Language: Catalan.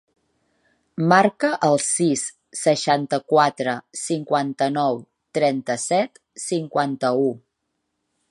Marca el sis, seixanta-quatre, cinquanta-nou, trenta-set, cinquanta-u.